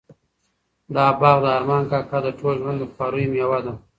دا باغ د ارمان کاکا د ټول ژوند د خواریو مېوه ده.